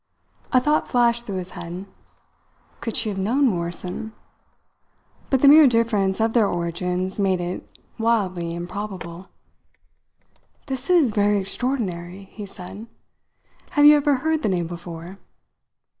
A thought flashed through his head could she have known Morrison? But the mere difference of their origins made it wildly improbable. "This is very extraordinary!" he said. "Have you ever heard the name before?"